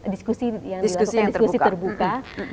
diskusi yang dilakukan diskusi terbuka